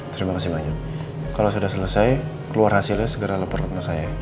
terima kasih banyak kalau sudah selesai keluar hasilnya segera laporkan ke saya